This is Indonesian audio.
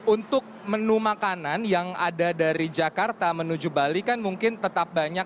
untuk menu makanan yang ada dari jakarta menuju bali kan mungkin tetap banyak